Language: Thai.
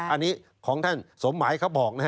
อันนี้ของท่านสมหมายเขาบอกนะฮะ